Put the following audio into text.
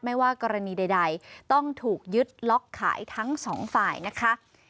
ไม่ว่ากรณีใดต้องถูกยึดล็อกขายทั้งสองฝ่ายนะคะ